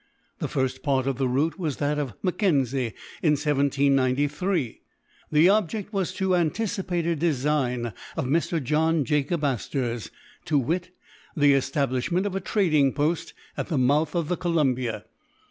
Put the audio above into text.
The first part of the route was that of Mackenzie in 1793. The object was to anticipate a design of Mr. John Jacob Astor's — to wit, the establishment of a trading post at the mouth of the Columbia.